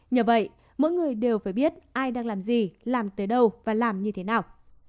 nhờ vậy mỗi người đều phải biết ai đang làm gì làm tới đâu và làm như thế nào